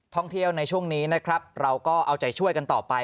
ท่องเที่ยวในช่วงนี้นะครับเราก็เอาใจช่วยกันต่อไป